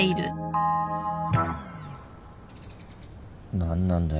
何なんだよ